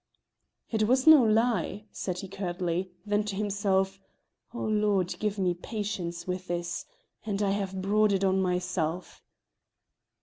"It was no lie," said he curtly; then to himself: "Oh, Lord, give me patience with this! and I have brought it on myself."